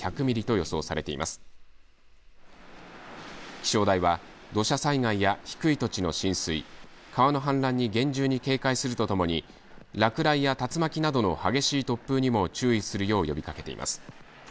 気象台は土砂災害や低い土地の浸水、川の氾濫に厳重に警戒するとともに落雷や竜巻などの激しい突風にも注意するよう呼びかけています。